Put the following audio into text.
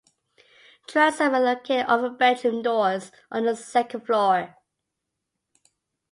Transoms are located over bedroom doors on the second floor.